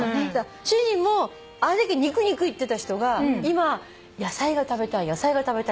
主人もあれだけ「肉肉」言ってた人が今「野菜が食べたい野菜が食べたい」って。